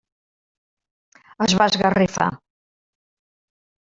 Es va esgarrifar.